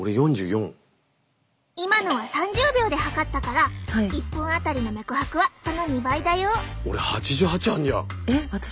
今のは３０秒で測ったから１分当たりの脈拍はその２倍だよ！